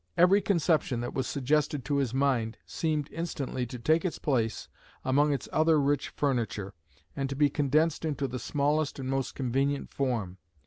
Every conception that was suggested to his mind seemed instantly to take its place among its other rich furniture, and to be condensed into the smallest and most convenient form.